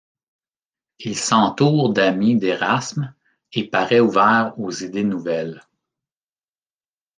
Il s'entoure d'amis d'Érasme et paraît ouvert aux idées nouvelles.